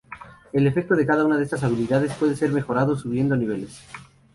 El efecto de cada una de estas habilidades puede ser mejorado subiendo niveles.